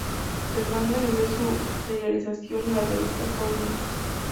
El manga inició su serialización en la revista "For Mrs.